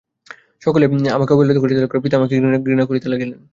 সকলেই আমাকে অবহেলা করিতে লাগিল, পিতা আমাকে ঘৃণা করিতে লাগিলেন।